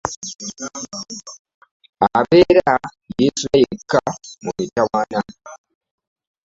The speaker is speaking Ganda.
Abeera yesuula yekka mu mitawaana .